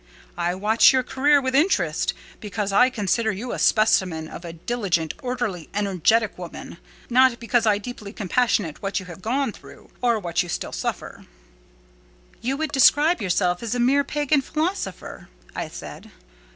I watch your career with interest, because I consider you a specimen of a diligent, orderly, energetic woman: not because I deeply compassionate what you have gone through, or what you still suffer." "You would describe yourself as a mere pagan philosopher," I said.